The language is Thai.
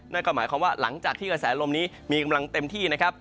นั่นก็หมายความว่าหลังจากที่กระแสลมนี้มีกำลังเต็มที่นะครับ